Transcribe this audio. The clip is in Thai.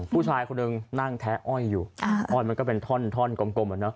ผู้ชายคนหนึ่งนั่งแท้อ้อยอยู่อ้อยมันก็เป็นท่อนกลมอ่ะเนอ